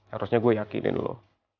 harusnya gue yakinin lo